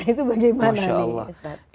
itu bagaimana nih ustadz